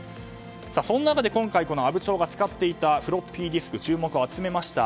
そんな中で今回、この阿武町が使っていたフロッピーディスク注目を集めました。